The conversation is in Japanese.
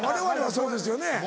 そうですよ